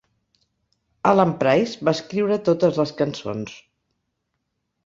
Alan Price va escriure totes les cançons.